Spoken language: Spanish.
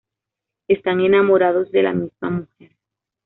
Están enamorados de la misma mujer.